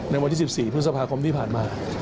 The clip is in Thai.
ในวันที่๑๔พฤษภาคมที่ผ่านมา